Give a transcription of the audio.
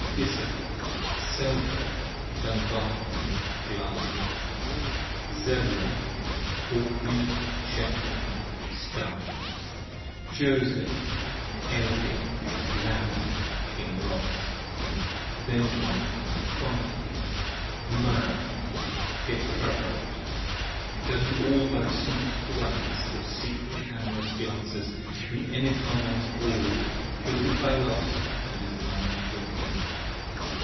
Issachar, Selkirk, Dumbartn, Glasgo. Zebulun, Orkney, Shetland, Skye. Joseph, Elgin, Lanerk, Kinros. Benjamin, Kromarty, Murra, Kirkubriht. Governing all by the sweet delights of secret amorous glances, 60 In Enitharmon's Halls builded by Los & his mighty Children.